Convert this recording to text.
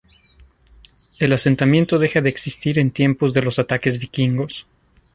El asentamiento deja de existir en tiempos de los ataques vikingos.